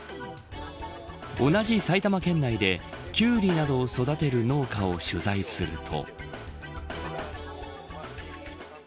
同じ埼玉県内でキュウリなどを育てる農家を取材すると。